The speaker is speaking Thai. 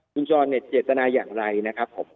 คุณจรเนี่ยเจตนาอย่างไรนะครับผม